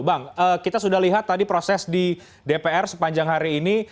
bang kita sudah lihat tadi proses di dpr sepanjang hari ini